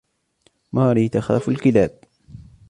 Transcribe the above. ماري تخاف الكلاب.